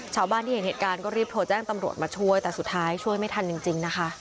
ชาวบ้านที่เห็นเหตุการณ์ก็รีบโทรแจ้งตำรวจมาช่วยแต่สุดท้ายช่วยไม่ทันจริงนะคะ